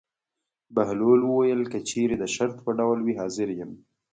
بهلول وویل: که چېرې د شرط په ډول وي حاضر یم.